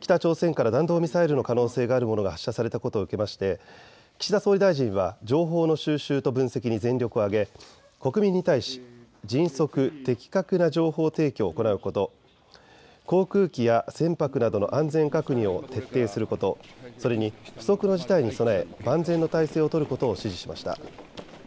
北朝鮮から弾道ミサイルの可能性があるものが発射されたことを受けまして岸田総理大臣は情報の収集と分析に全力を挙げ国民に対して迅速・的確な情報提供を行うこと、航空機や船舶などの安全確認を徹底すること、それに不測の事態に備え万全の態勢を取ることを指示しました。